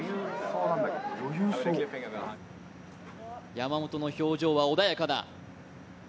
山本の表情は穏やかだ。